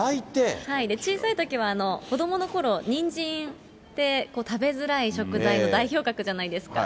小さいときは子どものころ、ニンジンって食べづらい食材の代表格じゃないですか、